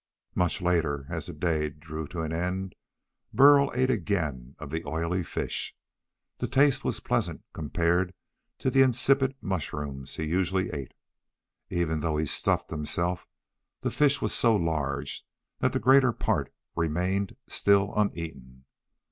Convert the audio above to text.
Much later, as the day drew to an end, Burl ate again of the oily fish. The taste was pleasant compared to the insipid mushrooms he usually ate. Even though he stuffed himself, the fish was so large that the greater part remained still uneaten.